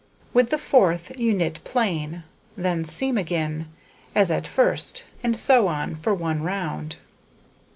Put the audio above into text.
With the fourth you knit plain, then seam again, as at first, and so on for 1 round.